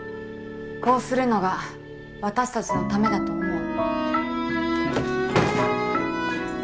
こうするのが私たちのためだと思う。